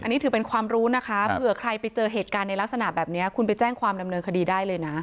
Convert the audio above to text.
อันนี้ถือเป็นความรู้นะคะเผื่อใครไปเจอเหตุการณ์ในลักษณะแบบนี้คุณไปแจ้งความดำเนินคดีได้เลยนะ